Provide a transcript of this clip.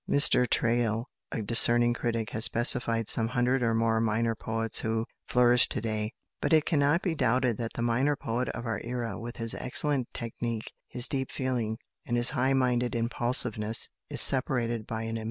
Mr Traill, a discerning critic, has specified some hundred or more "minor poets" who flourish to day! But it cannot be doubted that the minor poet of our era, with his excellent technique, his deep feeling, and his high minded impulsiveness, is separated by an immense gulf from the minor poet of an earlier period.